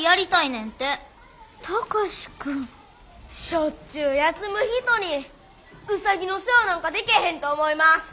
しょっちゅう休む人にウサギの世話なんかでけへんと思います。